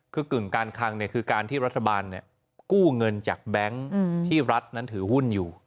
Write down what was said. คือกึ่งการคังคือการที่รัฐบาลกู้เงินจากแบงค์ที่รัฐนั้นถือหุ้นอยู่